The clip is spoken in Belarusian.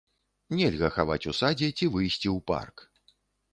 Нельга хаваць у садзе, ці выйсці ў парк.